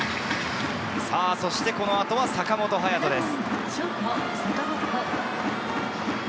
さぁそしてこのあとは坂本勇人です。